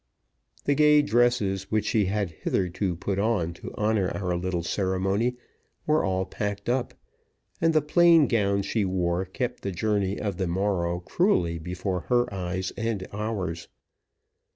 The gay dresses which she had hitherto put on to honor our little ceremony were all packed up, and the plain gown she wore kept the journey of the morrow cruelly before her eyes and ours.